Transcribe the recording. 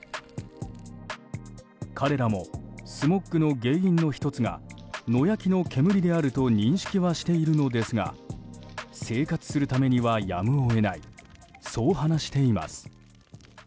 彼らもスモッグの原因の１つが野焼きの煙であると認識はしているのですが生活するためにはやむを得ないそう話しています。